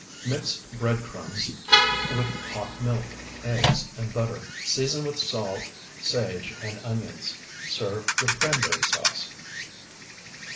Mix bread crumbs with hot milk, eggs, and butter. Season with salt, sage, and onions. Serve with cranberry sauce.